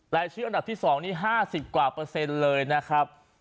รายชื่ออันดับที่๒นี้๕๐กว่าเปอร์เซ็นต์เลยนะครับ